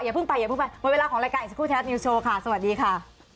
เพิ่งไปอย่าเพิ่งไปหมดเวลาของรายการอีกสักครู่ไทยรัฐนิวสโชว์ค่ะสวัสดีค่ะ